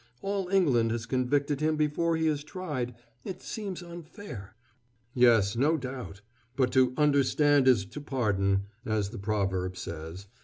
All England has convicted him before he is tried. It seems unfair." "Yes, no doubt. But 'to understand is to pardon,' as the proverb says.